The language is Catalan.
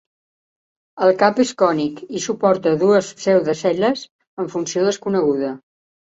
El cap és cònic, i suporta dues pseudocel·les amb funció desconeguda.